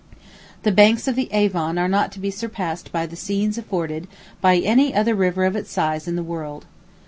The banks of the Avon are not to be surpassed by the scenes afforded by any other river of its size in the world.